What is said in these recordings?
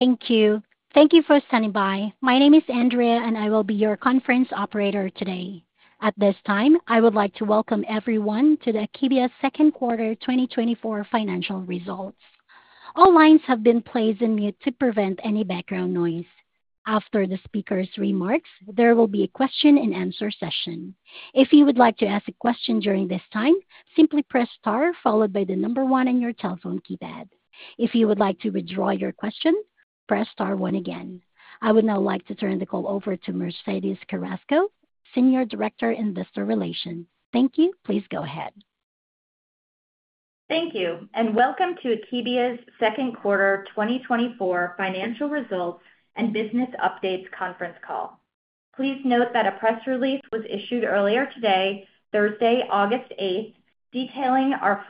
Thank you. Thank you for standing by. My name is Andrea, and I will be your conference operator today. At this time, I would like to welcome everyone to the Akebia's second quarter 2024 financial results. All lines have been placed in mute to prevent any background noise. After the speaker's remarks, there will be a question-and-answer session. If you would like to ask a question during this time, simply press star followed by the number one on your telephone keypad. If you would like to withdraw your question, press star one again. I would now like to turn the call over to Mercedes Carrasco, Senior Director, Investor Relations. Thank you. Please go ahead. Thank you, and welcome to Akebia's second quarter 2024 financial results and business updates conference call. Please note that a press release was issued earlier today, Thursday, August 8th, detailing our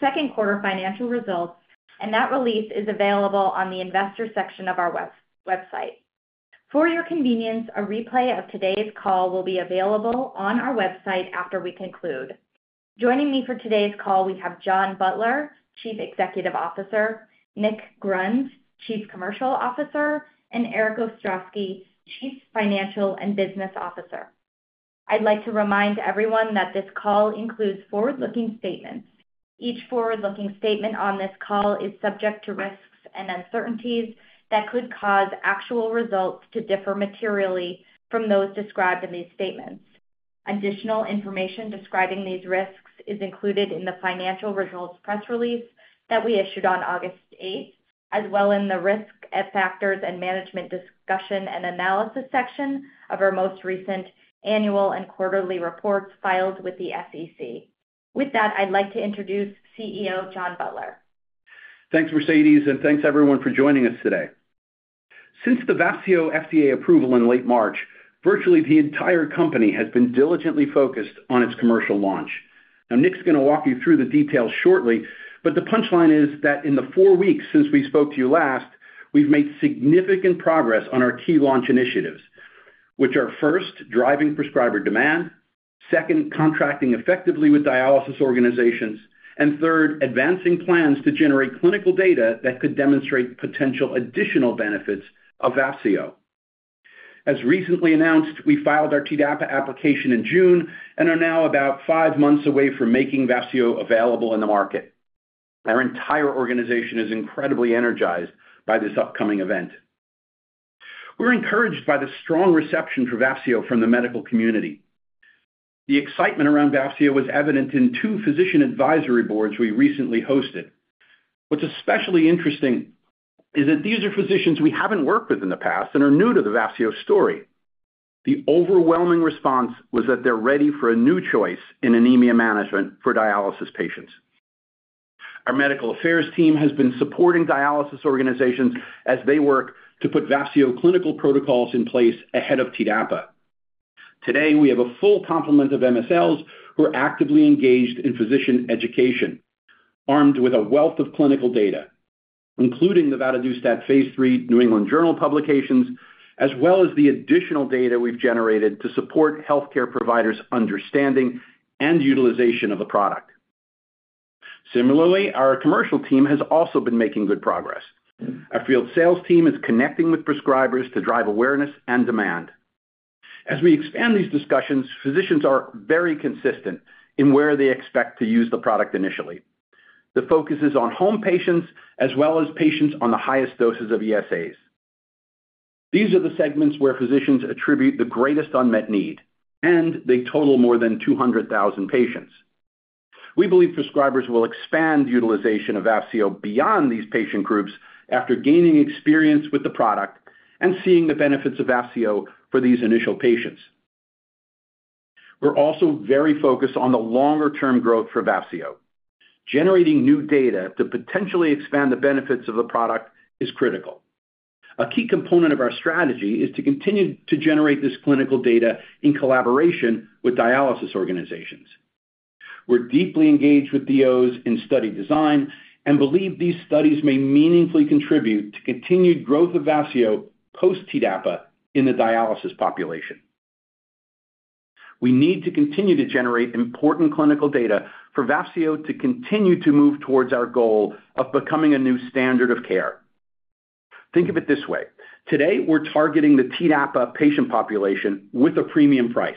second quarter financial results, and that release is available on the investor section of our website. For your convenience, a replay of today's call will be available on our website after we conclude. Joining me for today's call, we have John Butler, Chief Executive Officer, Nick Grund, Chief Commercial Officer, and EriK Ostrowski, Chief Financial and Business Officer. I'd like to remind everyone that this call includes forward-looking statements. Each forward-looking statement on this call is subject to risks and uncertainties that could cause actual results to differ materially from those described in these statements. Additional information describing these risks is included in the financial results press release that we issued on August 8th, as well as in the Risk Factors and Management Discussion and Analysis section of our most recent annual and quarterly reports filed with the SEC. With that, I'd like to introduce CEO, John Butler. Thanks, Mercedes, and thanks everyone for joining us today. Since the Vafseo FDA approval in late March, virtually the entire company has been diligently focused on its commercial launch. Now, Nick's going to walk you through the details shortly, but the punchline is that in the four weeks since we spoke to you last, we've made significant progress on our key launch initiatives, which are first, driving prescriber demand, second, contracting effectively with dialysis organizations, and third, advancing plans to generate clinical data that could demonstrate potential additional benefits of Vafseo. As recently announced, we filed our TDAPA application in June and are now about five months away from making Vafseo available in the market. Our entire organization is incredibly energized by this upcoming event. We're encouraged by the strong reception for Vafseo from the medical community. The excitement around Vafseo was evident in two physician advisory boards we recently hosted. What's especially interesting is that these are physicians we haven't worked with in the past and are new to the Vafseo story. The overwhelming response was that they're ready for a new choice in anemia management for dialysis patients. Our medical affairs team has been supporting dialysis organizations as they work to put Vafseo clinical protocols in place ahead of TDAPA. Today, we have a full complement of MSLs who are actively engaged in physician education, armed with a wealth of clinical data, including the vadadustat phase III New England Journal publications, as well as the additional data we've generated to support healthcare providers' understanding and utilization of the product. Similarly, our commercial team has also been making good progress. Our field sales team is connecting with prescribers to drive awareness and demand. As we expand these discussions, physicians are very consistent in where they expect to use the product initially. The focus is on home patients as well as patients on the highest doses of ESAs. These are the segments where physicians attribute the greatest unmet need, and they total more than 200,000 patients. We believe prescribers will expand utilization of Vafseo beyond these patient groups after gaining experience with the product and seeing the benefits of Vafseo for these initial patients. We're also very focused on the longer-term growth for Vafseo. Generating new data to potentially expand the benefits of the product is critical. A key component of our strategy is to continue to generate this clinical data in collaboration with dialysis organizations. We're deeply engaged with DOs in study design and believe these studies may meaningfully contribute to continued growth of Vafseo post TDAPA in the dialysis population. We need to continue to generate important clinical data for Vafseo to continue to move towards our goal of becoming a new standard of care. Think of it this way: Today, we're targeting the TDAPA patient population with a premium price.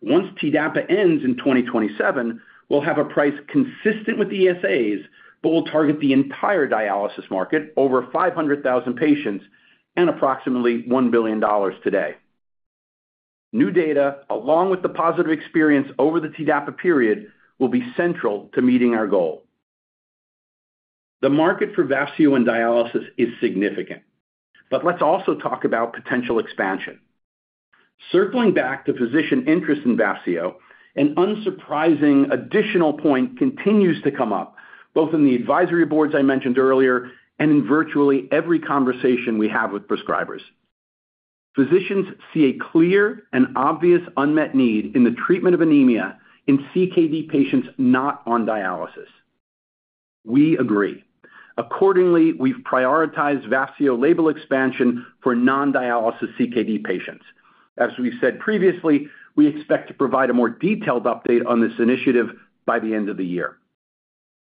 Once TDAPA ends in 2027, we'll have a price consistent with the ESAs, but we'll target the entire dialysis market, over 500,000 patients and approximately $1 billion today. New data, along with the positive experience over the TDAPA period, will be central to meeting our goal. The market for Vafseo in dialysis is significant, but let's also talk about potential expansion. Circling back to physician interest in Vafseo, an unsurprising additional point continues to come up, both in the advisory boards I mentioned earlier and in virtually every conversation we have with prescribers. Physicians see a clear and obvious unmet need in the treatment of anemia in CKD patients not on dialysis. We agree. Accordingly, we've prioritized Vafseo label expansion for non-dialysis CKD patients. As we've said previously, we expect to provide a more detailed update on this initiative by the end of the year.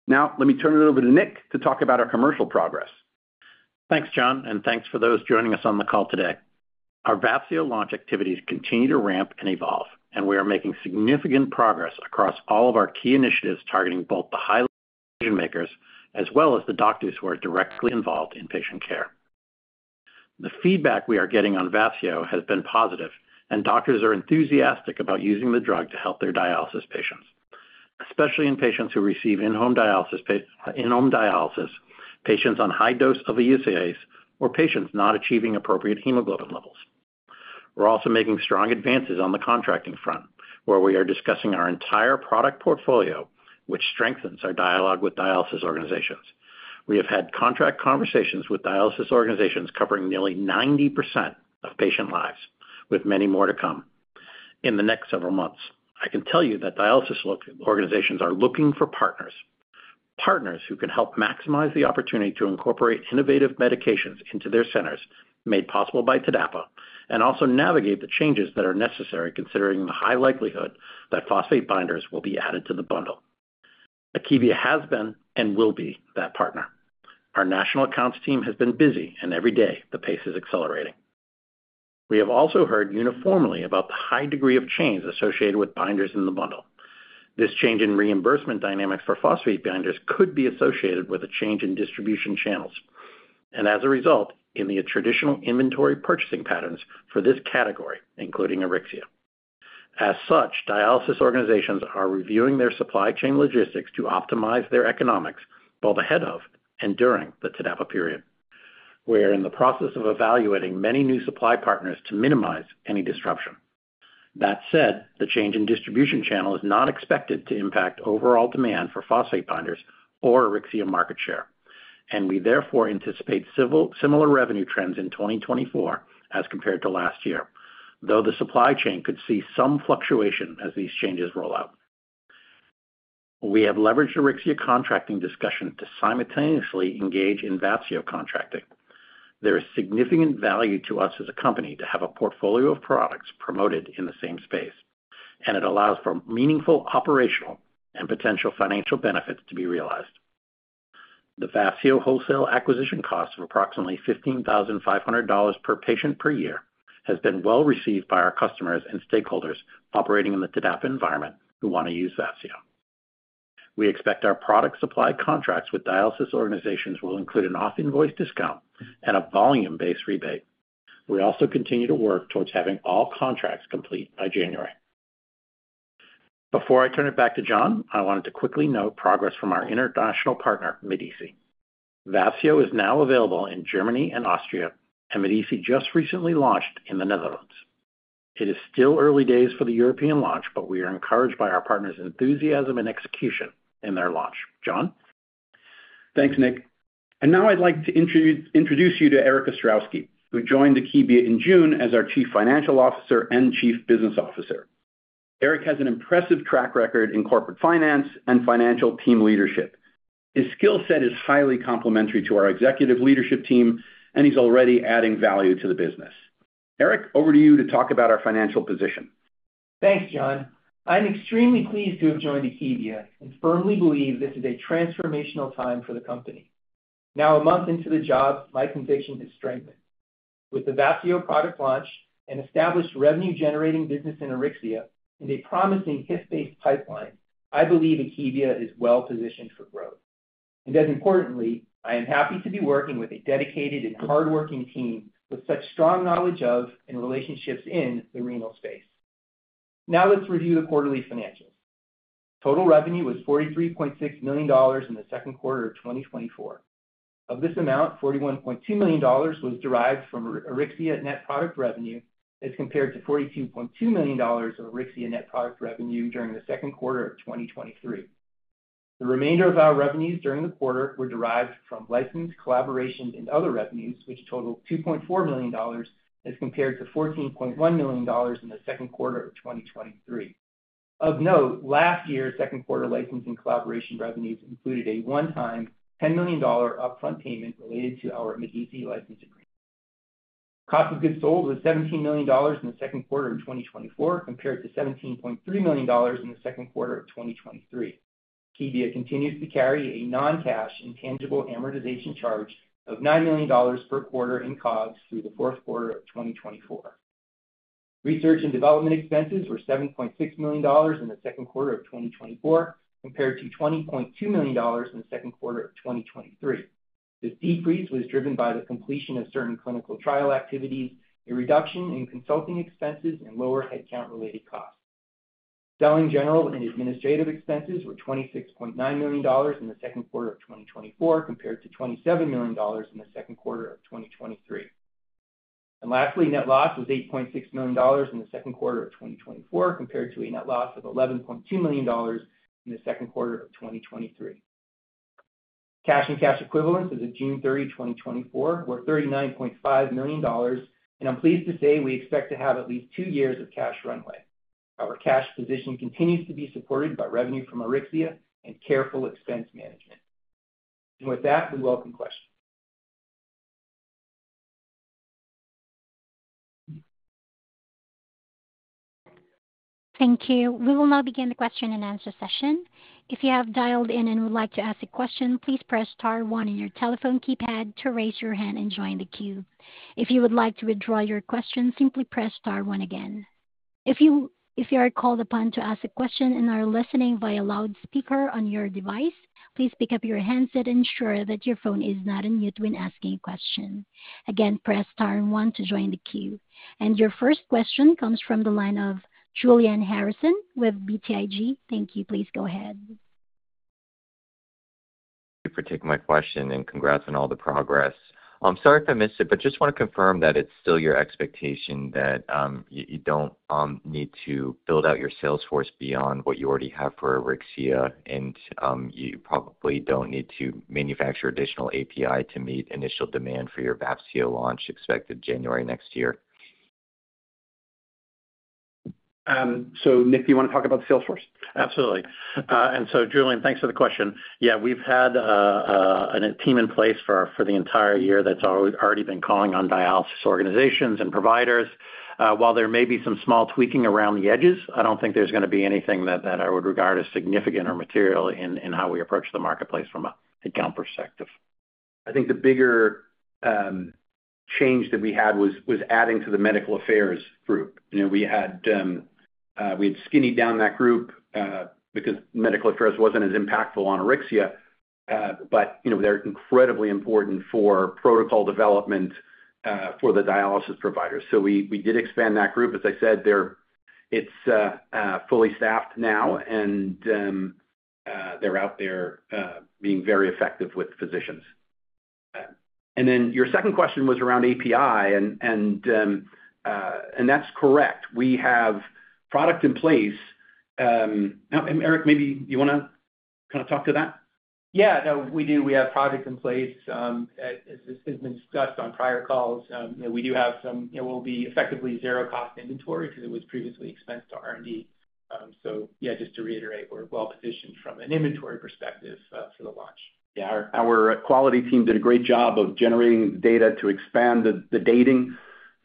Now, let me turn it over to Nick to talk about our commercial progress. Thanks, John, and thanks for those joining us on the call today. Our Vafseo launch activities continue to ramp and evolve, and we are making significant progress across all of our key initiatives, targeting both the high decision-makers, as well as the doctors who are directly involved in patient care. The feedback we are getting on Vafseo has been positive, and doctors are enthusiastic about using the drug to help their dialysis patients, especially in patients who receive in-home dialysis, patients on high dose of ESAs, or patients not achieving appropriate hemoglobin levels. We're also making strong advances on the contracting front, where we are discussing our entire product portfolio, which strengthens our dialogue with dialysis organizations. We have had contract conversations with dialysis organizations covering nearly 90% of patient lives, with many more to come. In the next several months, I can tell you that dialysis organizations are looking for partners, partners who can help maximize the opportunity to incorporate innovative medications into their centers, made possible by TDAPA, and also navigate the changes that are necessary, considering the high likelihood that phosphate binders will be added to the bundle. Akebia has been and will be that partner. Our national accounts team has been busy, and every day, the pace is accelerating. We have also heard uniformly about the high degree of change associated with binders in the bundle. This change in reimbursement dynamics for phosphate binders could be associated with a change in distribution channels, and as a result, in the traditional inventory purchasing patterns for this category, including AURYXIA. As such, dialysis organizations are reviewing their supply chain logistics to optimize their economics, both ahead of and during the TDAPA period. We are in the process of evaluating many new supply partners to minimize any disruption. That said, the change in distribution channel is not expected to impact overall demand for phosphate binders or AURYXIA market share, and we therefore anticipate stable-- similar revenue trends in 2024 as compared to last year, though the supply chain could see some fluctuation as these changes roll out. We have leveraged the AURYXIA contracting discussion to simultaneously engage in Vafseo contracting. There is significant value to us as a company to have a portfolio of products promoted in the same space, and it allows for meaningful operational and potential financial benefits to be realized. The Vafseo wholesale acquisition cost of approximately $15,500 per patient per year, has been well-received by our customers and stakeholders operating in the TDAPA environment who want to use Vafseo. We expect our product supply contracts with dialysis organizations will include an off-invoice discount and a volume-based rebate. We also continue to work towards having all contracts complete by January. Before I turn it back to John, I wanted to quickly note progress from our international partner, Medice. Vafseo is now available in Germany and Austria, and Medice just recently launched in the Netherlands. It is still early days for the European launch, but we are encouraged by our partners' enthusiasm and execution in their launch. John? Thanks, Nick. And now I'd like to introduce you to Erik Ostrowski, who joined Akebia in June as our Chief Financial Officer and Chief Business Officer. Erik has an impressive track record in corporate finance and financial team leadership. His skill set is highly complementary to our executive leadership team, and he's already adding value to the business. Erik, over to you to talk about our financial position. Thanks, John. I'm extremely pleased to have joined Akebia and firmly believe this is a transformational time for the company. Now, a month into the job, my conviction has strengthened. With the Vafseo product launch and established revenue-generating business in AURYXIA and a promising HIF-based pipeline, I believe Akebia is well positioned for growth. As importantly, I am happy to be working with a dedicated and hardworking team with such strong knowledge of and relationships in the renal space. Now let's review the quarterly financials. Total revenue was $43.6 million in the second quarter of 2024. Of this amount, $41.2 million was derived from AURYXIA net product revenue, as compared to $42.2 million of AURYXIA net product revenue during the second quarter of 2023. The remainder of our revenues during the quarter were derived from licensed collaborations and other revenues, which totaled $2.4 million, as compared to $14.1 million in the second quarter of 2023. Of note, last year's second quarter licensing collaboration revenues included a one-time $10 million upfront payment related to our Medice license agreement. Cost of goods sold was $17 million in the second quarter of 2024, compared to $17.3 million in the second quarter of 2023. Akebia continues to carry a non-cash intangible amortization charge of $9 million per quarter in COGS through the fourth quarter of 2024. Research and development expenses were $7.6 million in the second quarter of 2024, compared to $20.2 million in the second quarter of 2023. This decrease was driven by the completion of certain clinical trial activities, a reduction in consulting expenses, and lower headcount-related costs. Selling general and administrative expenses were $26.9 million in the second quarter of 2024, compared to $27 million in the second quarter of 2023. Lastly, net loss was $8.6 million in the second quarter of 2024, compared to a net loss of $11.2 million in the second quarter of 2023. Cash and cash equivalents as of June 30, 2024, were $39.5 million, and I'm pleased to say we expect to have at least two years of cash runway. Our cash position continues to be supported by revenue from AURYXIA and careful expense management. And with that, we welcome questions. Thank you. We will now begin the question and answer session. If you have dialed in and would like to ask a question, please press star one on your telephone keypad to raise your hand and join the queue. If you would like to withdraw your question, simply press star one again. If you are called upon to ask a question and are listening via loudspeaker on your device, please pick up your handset and ensure that your phone is not on mute when asking a question. Again, press star one to join the queue. And your first question comes from the line of Julian Harrison with BTIG. Thank you. Please go ahead. Thank you for taking my question, and congrats on all the progress. I'm sorry if I missed it, but just want to confirm that it's still your expectation that you don't need to build out your sales force beyond what you already have for AURYXIA, and you probably don't need to manufacture additional API to meet initial demand for your Vafseo launch, expected January next year. So, Nick, do you want to talk about the sales force? Absolutely. And so Julian, thanks for the question. Yeah, we've had a team in place for the entire year that's already been calling on dialysis organizations and providers. While there may be some small tweaking around the edges, I don't think there's gonna be anything that I would regard as significant or material in how we approach the marketplace from an account perspective. I think the bigger change that we had was adding to the medical affairs group. You know, we had skinnied down that group because medical affairs wasn't as impactful on AURYXIA. But, you know, they're incredibly important for protocol development for the dialysis providers. So we did expand that group. As I said, they're fully staffed now and they're out there being very effective with physicians. And then your second question was around API, and that's correct. We have product in place. Erik, maybe you wanna kind of talk to that? Yeah. No, we do, we have product in place. As has been discussed on prior calls, you know, we do have some, it will be effectively zero cost inventory because it was previously expensed to R&D. So yeah, just to reiterate, we're well positioned from an inventory perspective, for the launch. Yeah, our quality team did a great job of generating data to expand the dating for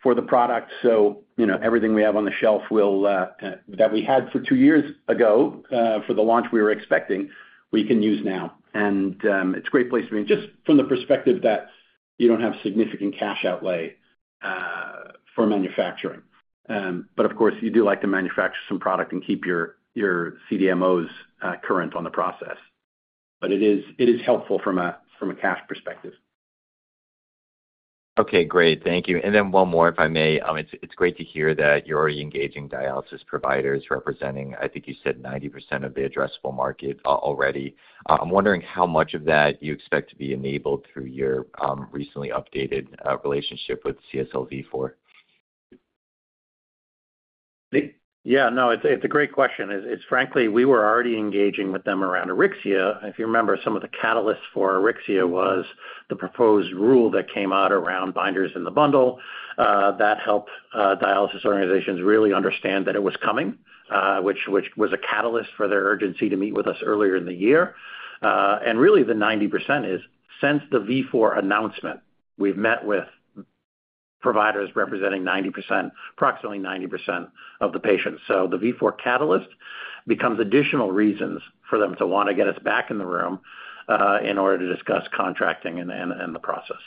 the product. So, you know, everything we have on the shelf will that we had for two years ago for the launch we were expecting, we can use now. And it's a great place to be, just from the perspective that you don't have significant cash outlay for manufacturing. But of course, you do like to manufacture some product and keep your CDMOs current on the process. But it is helpful from a cash perspective. Okay, great. Thank you. And then one more, if I may. It's great to hear that you're already engaging dialysis providers representing, I think you said, 90% of the addressable market already. I'm wondering how much of that you expect to be enabled through your recently updated relationship with CSL Vifor. Yeah, no, it's a great question. It's frankly, we were already engaging with them around AURYXIA. If you remember, some of the catalysts for AURYXIA was the proposed rule that came out around binders in the bundle. That helped dialysis organizations really understand that it was coming, which was a catalyst for their urgency to meet with us earlier in the year. And really, the 90% is since the Vafseo announcement, we've met with providers representing 90%, approximately 90% of the patients. So the Vafseo catalyst becomes additional reasons for them to want to get us back in the room in order to discuss contracting and the process.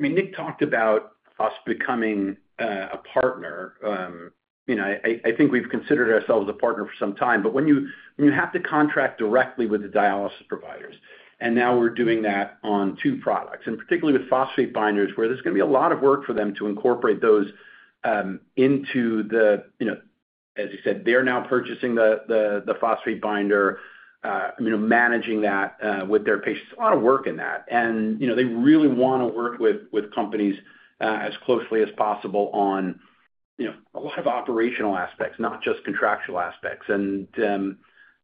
I mean, Nick talked about us becoming a partner. You know, I think we've considered ourselves a partner for some time, but when you have to contract directly with the dialysis providers, and now we're doing that on two products, and particularly with phosphate binders, where there's gonna be a lot of work for them to incorporate those into the, you know, as you said, they're now purchasing the phosphate binder, you know, managing that with their patients. There's a lot of work in that. And, you know, they really wanna work with companies as closely as possible on, you know, a lot of operational aspects, not just contractual aspects. And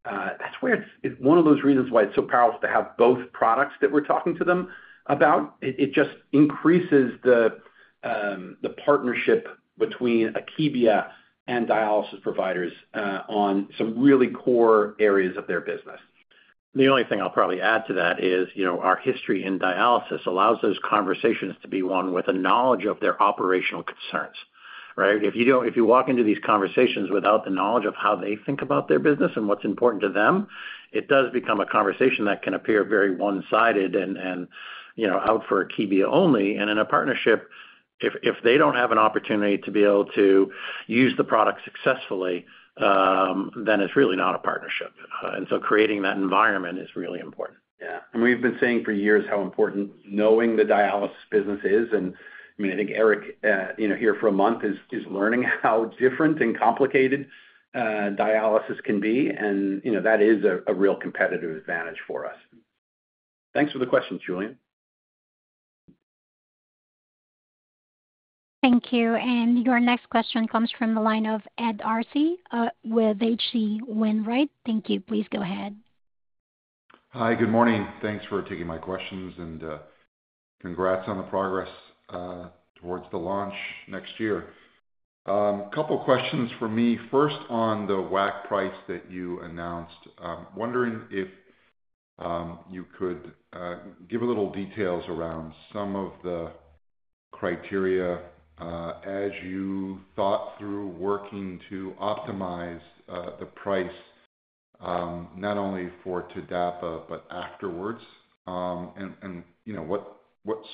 that's where it's one of those reasons why it's so powerful to have both products that we're talking to them about. It just increases the partnership between Akebia and dialysis providers on some really core areas of their business. The only thing I'll probably add to that is, you know, our history in dialysis allows those conversations to be one with a knowledge of their operational concerns, right? If you walk into these conversations without the knowledge of how they think about their business and what's important to them, it does become a conversation that can appear very one-sided and, you know, out for Akebia only. And in a partnership, if they don't have an opportunity to be able to use the product successfully, then it's really not a partnership. And so creating that environment is really important. Yeah. And we've been saying for years how important knowing the dialysis business is, and I mean, I think Erik, you know, here for a month is learning how different and complicated dialysis can be, and, you know, that is a real competitive advantage for us. Thanks for the question, Julian. Thank you. And your next question comes from the line of Ed Arce, with HC Wainwright. Thank you. Please go ahead. Hi, good morning. Thanks for taking my questions and, Congrats on the progress towards the launch next year. Couple questions for me. First, on the WAC price that you announced, wondering if you could give a little details around some of the criteria, as you thought through working to optimize the price, not only for TDAPA, but afterwards. And, you know, what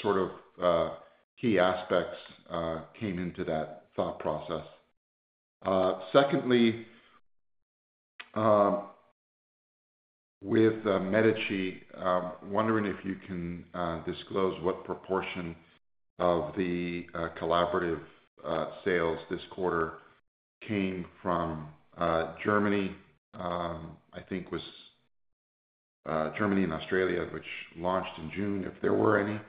sort of key aspects came into that thought process? Secondly, with Medice, wondering if you can disclose what proportion of the collaborative sales this quarter came from Germany. I think was Germany and Austria, which launched in June, if there were any.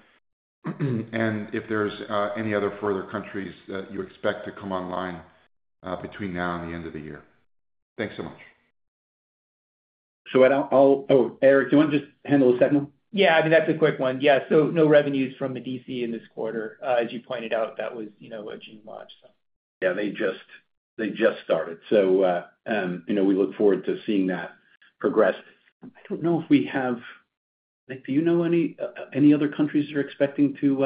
And if there's any other further countries that you expect to come online between now and the end of the year. Thanks so much. So I'll... Oh, Erik, do you wanna just handle the second one? Yeah, I mean, that's a quick one. Yeah, so no revenues from Medice in this quarter. As you pointed out, that was, you know, a June launch, so. Yeah, they just, they just started. So, you know, we look forward to seeing that progress. I don't know if we have. Nick, do you know any other countries you're expecting to?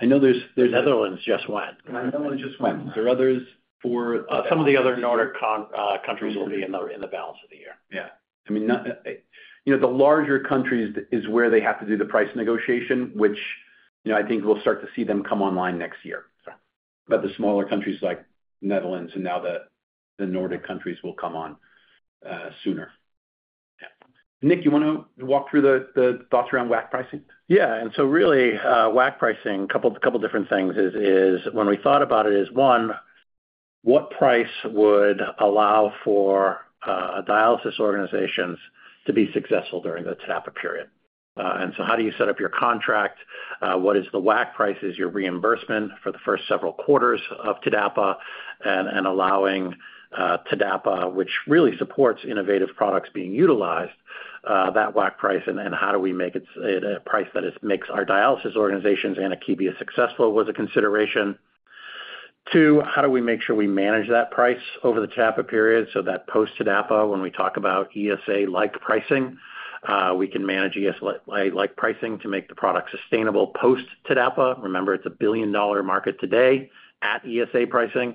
I know there's, there's- Netherlands just went. Netherlands just went. Are there others for? Some of the other Nordic countries will be in the balance of the year. Yeah. I mean, not, you know, the larger countries is where they have to do the price negotiation, which, you know, I think we'll start to see them come online next year. Sure. But the smaller countries, like Netherlands and now the Nordic countries, will come on sooner. Yeah. Nick, you wanna walk through the thoughts around WAC pricing? Yeah, and so really, WAC pricing, couple different things is, when we thought about it, is one, what price would allow for a dialysis organizations to be successful during the TDAPA period? And so how do you set up your contract? What is the WAC prices, your reimbursement for the first several quarters of TDAPA, and allowing TDAPA, which really supports innovative products being utilized, that WAC price, and how do we make it a price that makes our dialysis organizations and Akebia successful, was a consideration. Two, how do we make sure we manage that price over the TDAPA period so that post-TDAPA, when we talk about ESA-like pricing, we can manage ESA-like pricing to make the product sustainable post-TDAPA? Remember, it's a billion-dollar market today at ESA pricing,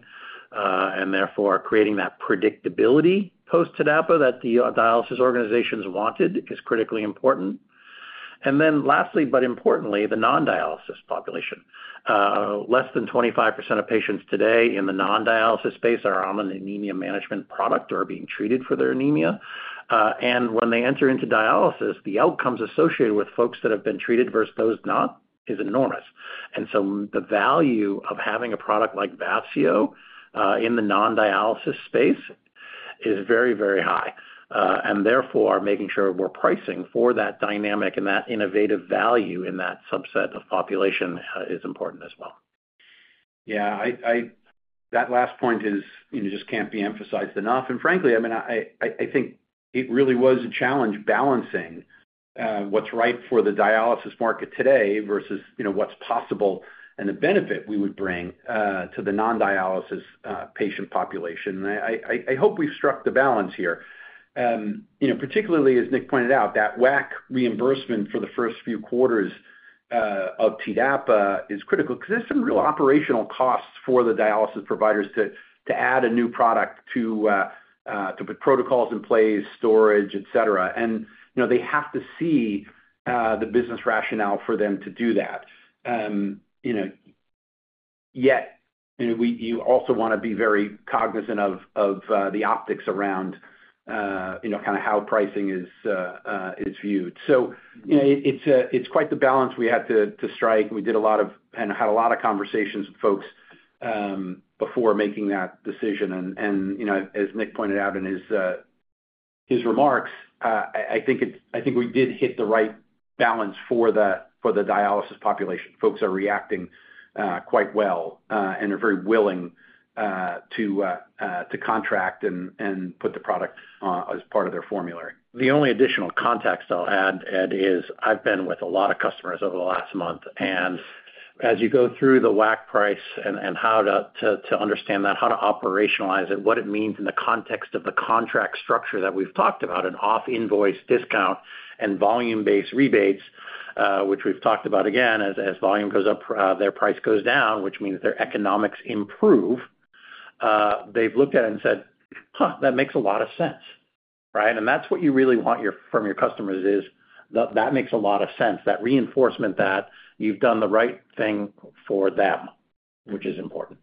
and therefore, creating that predictability post-TDAPA that the dialysis organizations wanted is critically important. And then lastly, but importantly, the non-dialysis population. Less than 25% of patients today in the non-dialysis space are on an anemia management product or are being treated for their anemia. And when they enter into dialysis, the outcomes associated with folks that have been treated versus those not, is enormous. And so the value of having a product like Vafseo in the non-dialysis space is very, very high. And therefore, making sure we're pricing for that dynamic and that innovative value in that subset of population is important as well. Yeah, that last point is, you know, just can't be emphasized enough. And frankly, I mean, I think it really was a challenge balancing what's right for the dialysis market today versus what's possible and the benefit we would bring to the non-dialysis patient population. I hope we've struck the balance here. You know, particularly as Nick pointed out, that WAC reimbursement for the first few quarters of TDAPA is critical, because there's some real operational costs for the dialysis providers to add a new product, to put protocols in place, storage, et cetera. And you know, they have to see the business rationale for them to do that. You know, you also wanna be very cognizant of the optics around, you know, kinda how pricing is viewed. So, you know, it's quite the balance we had to strike. We had a lot of conversations with folks before making that decision. And, you know, as Nick pointed out in his remarks, I think we did hit the right balance for the dialysis population. Folks are reacting quite well and are very willing to contract and put the product as part of their formulary. The only additional context I'll add, Ed, is I've been with a lot of customers over the last month, and as you go through the WAC price and how to understand that, how to operationalize it, what it means in the context of the contract structure that we've talked about, an off-invoice discount and volume-based rebates, which we've talked about again, as volume goes up, their price goes down, which means their economics improve. They've looked at it and said, "Huh, that makes a lot of sense," right? And that's what you really want your-- from your customers is, that, "That makes a lot of sense." That reinforcement that you've done the right thing for them, which is important.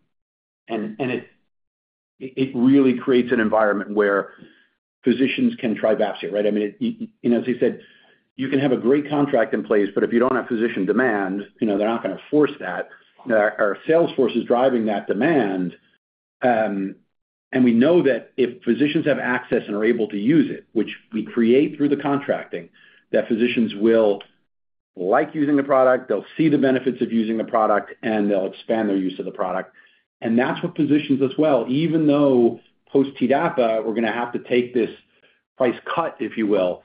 It really creates an environment where physicians can try Vafseo, right? I mean, you know, as you said, you can have a great contract in place, but if you don't have physician demand, you know, they're not gonna force that. Our sales force is driving that demand, and we know that if physicians have access and are able to use it, which we create through the contracting, that physicians will like using the product, they'll see the benefits of using the product, and they'll expand their use of the product. And that's what positions us well. Even though post-TDAPA, we're gonna have to take this price cut, if you will,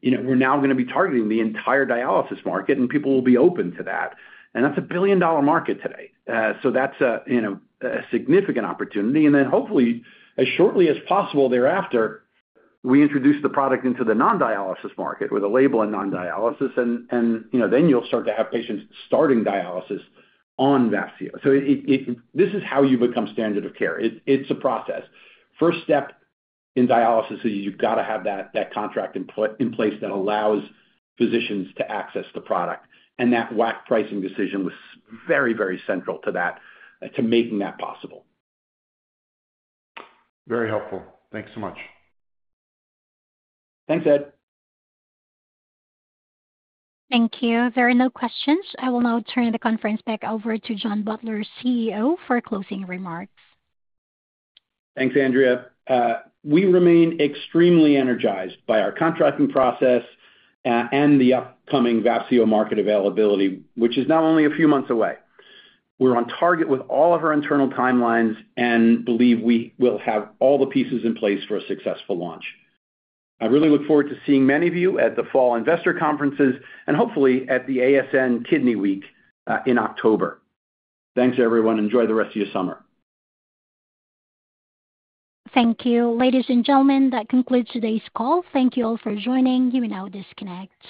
you know, we're now gonna be targeting the entire dialysis market, and people will be open to that. And that's a billion-dollar market today. So that's a, you know, a significant opportunity. And then hopefully, as shortly as possible thereafter, we introduce the product into the non-dialysis market with a label in non-dialysis, and, you know, then you'll start to have patients starting dialysis on Vafseo. So, this is how you become standard of care. It's a process. First step in dialysis is you've gotta have that contract in place that allows physicians to access the product, and that WAC pricing decision was very, very central to that, to making that possible. Very helpful. Thanks so much. Thanks, Ed. Thank you. There are no questions. I will now turn the conference back over to John Butler, CEO, for closing remarks. Thanks, Andrea. We remain extremely energized by our contracting process, and the upcoming Vafseo market availability, which is now only a few months away. We're on target with all of our internal timelines and believe we will have all the pieces in place for a successful launch. I really look forward to seeing many of you at the fall investor conferences and hopefully at the ASN Kidney Week, in October. Thanks, everyone, enjoy the rest of your summer. Thank you. Ladies and gentlemen, that concludes today's call. Thank you all for joining. You may now disconnect.